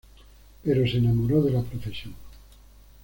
Pero se enamoró de la profesión.